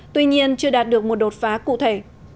tuy nhiên chưa đạt được một đột phá cụ thể